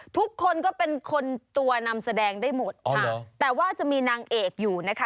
ทุกคนก็เป็นคนตัวนำแสดงได้หมดค่ะแต่ว่าจะมีนางเอกอยู่นะคะ